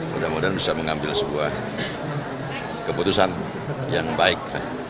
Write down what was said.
mudah mudahan bisa mengambil sebuah keputusan yang baik